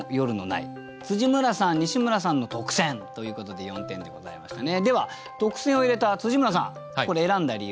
村さん西村さんの特選ということで４点でございましたね。